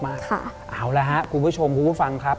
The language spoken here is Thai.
เอาละครับคุณผู้ชมคุณผู้ฟังครับ